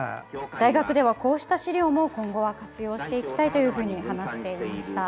大学では、こうした資料も今後は活用していきたいと話していました。